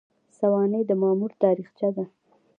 سوانح د مامور تاریخچه ده